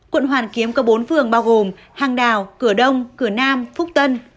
quận hoàn kiếm có bốn phường bao gồm hàng đào cửa đông cửa nam phúc tân